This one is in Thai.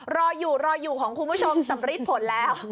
รออยู่รออยู่ของคุณผู้ชมสำริดผลแล้ว